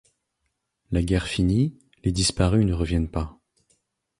La guerre finie, les disparus ne reviennent pas.